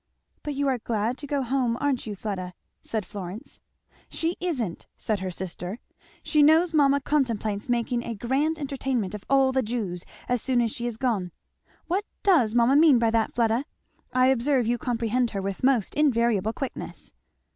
"But you are glad to go home, aren't you, Fleda?" said Florence. "She isn't!" said her sister. "She knows mamma contemplates making a grand entertainment of all the Jews as soon as she is gone. What does mamma mean by that, Fleda? I observe you comprehend her with most invariable quickness."